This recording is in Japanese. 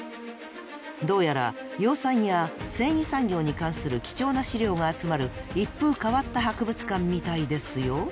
どうやら養蚕や繊維産業に関する貴重な資料が集まる一風変わった博物館みたいですよ。